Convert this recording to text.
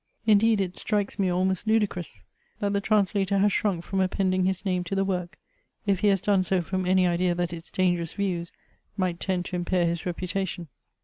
Indeed, it strikes me almost ludicrous, that the translator has shrunk from appending his name to the work, if he has done so from any idea that its dan gerous views might tend to impair his reputation.